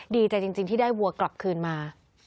ดีใจจริงที่ได้วัวกลับคืนมา